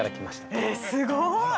◆えっ、すごい！